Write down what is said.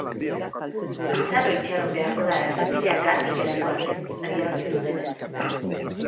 Luzaro itxaron beharko da errepidea garbi geratu arte, adierazi dutenez.